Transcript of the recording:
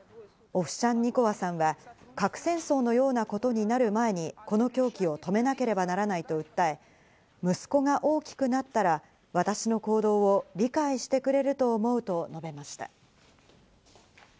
オフシャンニコワさんは核戦争のようなことになる前に、この狂気を止めなければならないと訴え、息子が大きくなったら私の行動を理解してくれると思うと述べました。